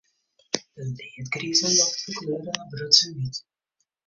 De leadgrize loft ferkleure nei brutsen wyt.